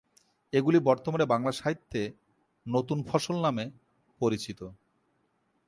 এগুলি বর্তমানে বাংলা সাহিত্যে "নতুন ফসল" নামে পরিচিত।